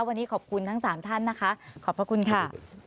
วันนี้ขอบคุณทั้ง๓ท่านนะคะขอบพระคุณค่ะ